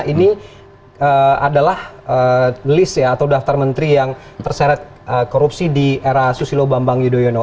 ini adalah list atau daftar menteri yang terseret korupsi di era susilo bambang yudhoyono